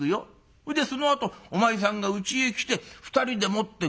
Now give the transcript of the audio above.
それでそのあとお前さんがうちへ来て２人でもって碁を打ちだす。